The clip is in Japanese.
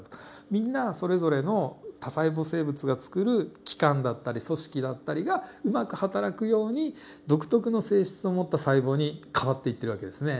みんながそれぞれの多細胞生物がつくる器官だったり組織だったりがうまくはたらくように独特の性質を持った細胞に変わっていってる訳ですね。